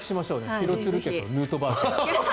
廣津留家とヌートバー家。